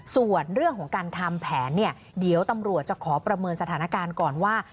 ส่วนเรื่องของการทำแผนเนี่ยเดี๋ยวตำรวจจะขอประเมินสถานการณ์ก่อนว่า